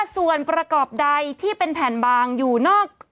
กรมป้องกันแล้วก็บรรเทาสาธารณภัยนะคะ